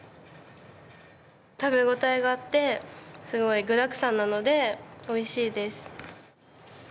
食べごたえがあってすごい具だくさんなのでおいしいです。